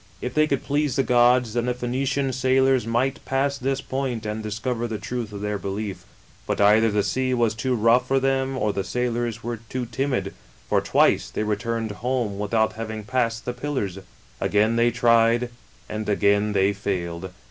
If they could please the gods, then 4 the Phoenician &aHors might pass this point and discover the truth of their belief; but either ^the sea was too rough for them or the sailors were too timid, for twice they returned home without having passed the Pillars. Again they tried, and again they failed.